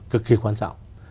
cực kỳ quan trọng